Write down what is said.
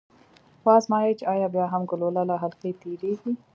و ازمايئ چې ایا بیا هم ګلوله له حلقې تیریږي؟